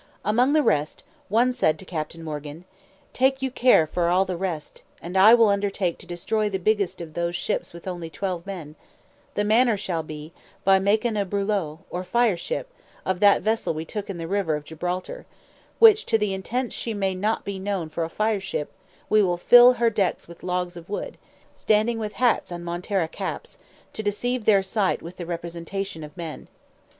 Among the rest, one said to Captain Morgan, "Take you care for the rest, and I will undertake to destroy the biggest of those ships with only twelve men: the manner shall be, by making a brulot, or fire ship, of that vessel we took in the river of Gibraltar; which, to the intent she may not be known for a fireship, we will fill her decks with logs of wood, standing with hats and montera caps, to deceive their sight with the representation of men.